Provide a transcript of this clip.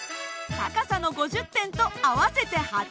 高さの５０点と合わせて８０点。